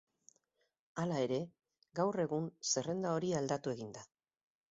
Hala ere, gaur egun zerrenda hori aldatu egin da.